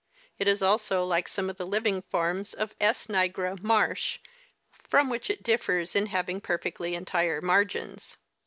It is also like some of the living forms of S. nigra, Marsh., from which it differs in having perfectly entire margins.